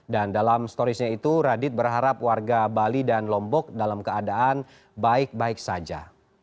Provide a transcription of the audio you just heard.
dan dalam storiesnya itu radit berharap warga bali dan lombok dalam keadaan baik baik saja